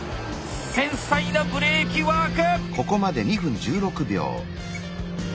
繊細なブレーキワーク！